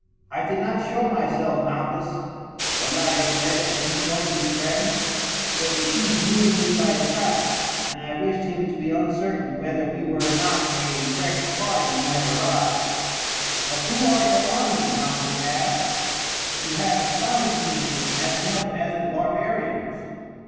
"I did not show myself, Malchus," the latter said as he joined his friend, "for the chief knew me by sight, and I wished him to be uncertain whether we were not a fresh party who had arrived." "But who are your army?" Malchus asked; "you have astonished me as much as the barbarians."